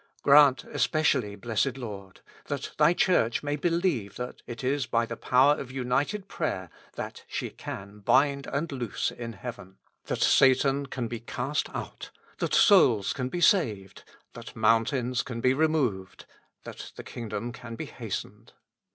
Grant especially, Blessed Lord, that Thy Church may believe that it is by the power of united prayer that she can bind and loose in heaven ; that Satan can be cast out ; that souls can be saved ; that moun tains can be removed ; that the kingdom can be hastened.